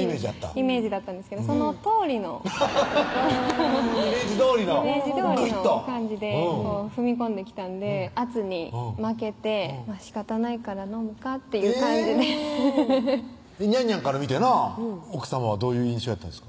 イメージだったんですけどそのとおりのハハハハッイメージどおりのイメージどおりの感じで踏み込んできたんで圧に負けてしかたないから飲むかっていう感じでにゃんにゃんから見て奥さんはどういう印象やったんですか？